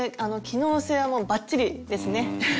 機能性はもうばっちりですね。